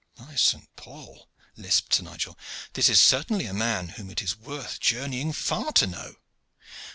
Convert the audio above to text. "By Saint Paul!" lisped Sir Nigel, "this is certainly a man whom it is worth journeying far to know.